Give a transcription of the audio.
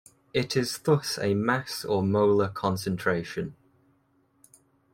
It is thus a mass or molar concentration.